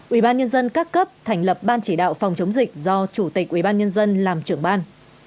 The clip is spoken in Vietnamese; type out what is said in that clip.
một mươi hai ubnd các cấp thành lập ban chỉ đạo phòng chống dịch do chủ tịch ubnd làm trưởng ban